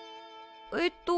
えっと。